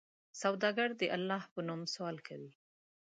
سوالګر د الله په نوم سوال کوي